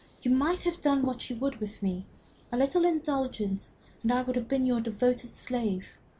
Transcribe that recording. You might have done what you would with me. A little indulgence, and I should have been your devoted slave.